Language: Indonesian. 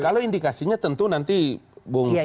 kalau indikasinya tentu nanti bohong kepergian